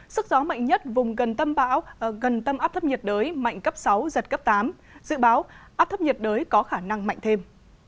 sức gió mạnh nhất vùng gần tầm áp thấp nhiệt đới mạnh cấp sáu giật cấp tám dự báo áp thấp nhiệt đới có khả năng mạnh thêm